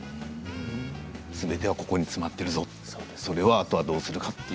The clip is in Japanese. すべてはここに詰まっているぞそれを、あとはどうするかと。